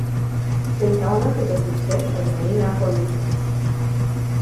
Saint Helena possesses fish as a main natural resource.